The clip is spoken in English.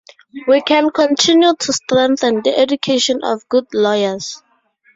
We can continue to strengthen the education of good lawyers.